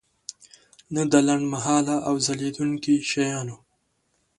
نه د لنډمهاله او ځلیدونکي شیانو.